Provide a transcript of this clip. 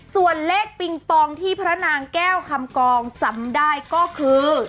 ส่วนเลขปิงปองที่พระนางแก้วคำกองจำได้ก็คือ